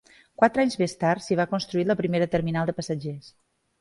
Quatre anys més tard s'hi va construir la primera terminal de passatgers.